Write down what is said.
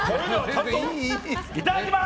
いただきます！